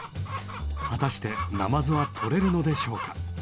果たしてナマズはとれるのでしょうか？